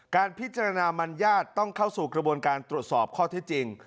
การพิจารณามัญญาติต้องเข้าสู่กระบวนการตรวจสอบข้อที่จริง